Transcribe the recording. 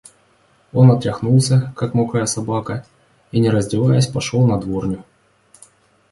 Он отряхнулся, как мокрая собака, и, не раздеваясь, пошел на дворню.